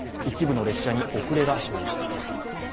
一部の列車に遅れが生じています。